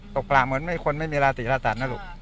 ตกลางเป็นเป็นคนไม่มีระตีระดัน